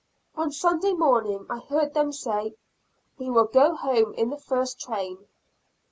On Sunday morning I heard them say, "We will go home in the first train."